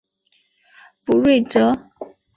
卜睿哲。